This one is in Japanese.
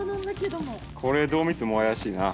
これどう見ても怪しいな。